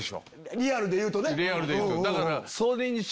リアルでいうと。